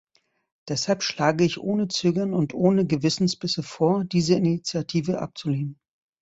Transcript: Deshalb schlage ich ohne Zögern und ohne Gewissensbisse vor, diese Initiative abzulehnen.